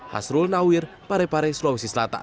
hasrul nawir parepare sulawesi selatan